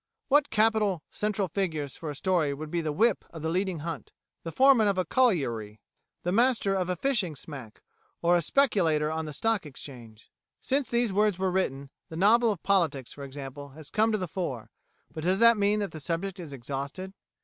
What capital central figures for a story would be the whip of a leading hunt, the foreman of a colliery, the master of a fishing smack, or a speculator on the Stock Exchange?"[152:A] Since these words were written, the novel of politics, for example, has come to the fore; but does that mean that the subject is exhausted?